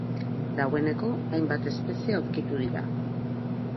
Dagoeneko hainbat espezie aurkitu dira.